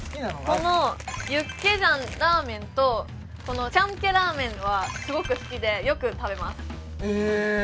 このユッケジャンラーメンとこのチャムケラーメンはすごく好きでよく食べますへえ